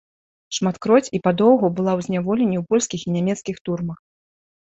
Шматкроць і падоўгу была ў зняволенні ў польскіх і нямецкіх турмах.